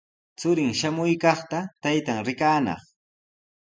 Churin shamuykaqta taytan rikanaq.